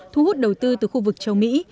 thu hút đầu tư từ khu vực châu mỹ